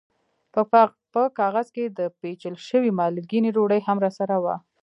په کاغذ کې د پېچل شوې مالګینې ډوډۍ هم راسره وه.